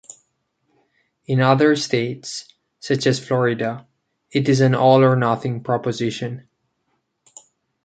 In other states, such as Florida, it is an all or nothing proposition.